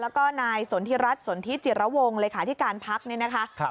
แล้วก็นายสนธิรัฐสนธิจิรวงศ์เลยค่ะที่การพักนี้นะคะ